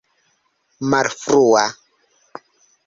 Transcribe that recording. malfrua